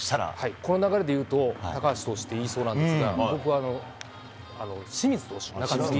この流れでいうと高橋投手と言いそうなんですが僕は清水投手。